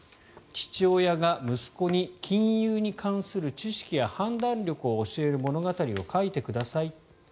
父親が息子に金融に関する知識や判断力を教える物語を書いてください。